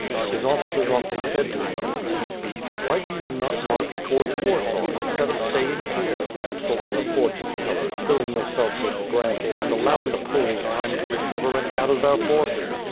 His oflBcers often said to Khmyelnitski: "Why do you not march towards Warsaw, instead of stay ing here, consulting the fortune tellers, filling yourself with brandy and allowing the Poles time to recover and gather their forces."